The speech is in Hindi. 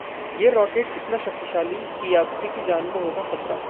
'ये रॉकेट इतना शक्तिशाली कि यात्री की जान को होगा खतरा'